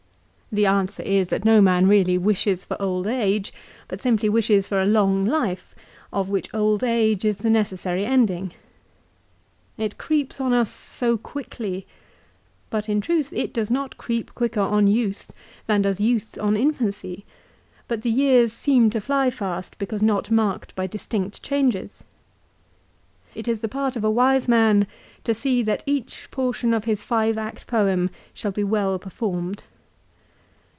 The answer is that no man really wishes for old age, but simply wishes for a long life, of which old age is the necessary ending. It creeps on us so quickly ! But in truth it does not creep quicker on youth, than does youth on infancy ; but the years seem to fly fast because not marked by distinct changes. It is the part of a wise man to see that each portion of his five act poem shall be well performed.